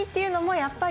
やっぱり。